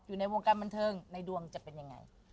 อยู่ในวงการบันเทิงในดวงจะเป็นยังไง